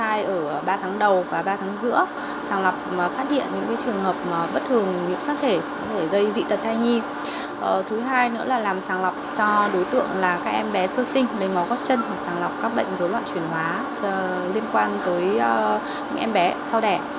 đầy ngó gót chân sàng lọc các bệnh dối loạn chuyển hóa liên quan tới em bé sau đẻ